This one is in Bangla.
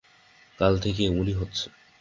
কাল থেকে এমনি হচ্ছে।